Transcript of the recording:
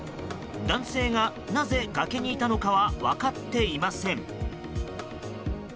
男性が、なぜ崖にいたのかは分かっていません。